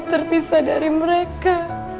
terpisah dari mereka